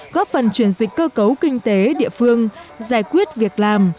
góp phần chuyển dịch cơ cấu kinh tế địa phương giải quyết việc làm